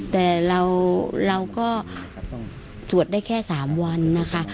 แต่เราก็สวดได้แค่๓วันนะคะ